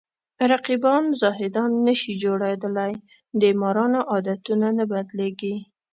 رقیبان زاهدان نشي جوړېدلی د مارانو عادتونه نه بدلېږي